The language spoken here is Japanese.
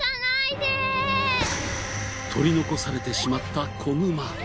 取り残されてしまった子グマ。